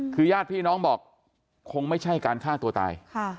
คือญาติพี่น้องบอกคงไม่ใช่การฆ่าตัวตาย